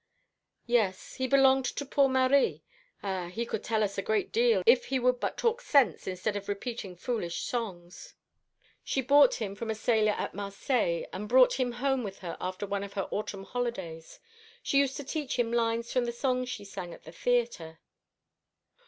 "Yes. He belonged to poor Marie. Ah, he could tell us a great deal, if he would but talk sense instead of repeating foolish songs. She bought him from a sailor at Marseilles, and brought him home with her after one of her autumn holidays. She used to teach him lines from the songs she sang at the theatre."